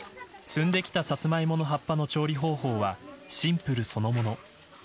摘んできたサツマイモの葉っぱの調理方法はシンプルそのもの。